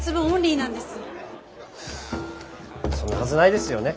そんなはずないですよね。